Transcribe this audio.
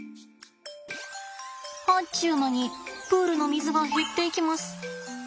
あっちゅう間にプールの水が減っていきます。